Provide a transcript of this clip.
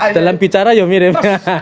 dalam bicara ya mirip